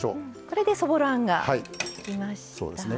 これでそぼろあんが出来ました。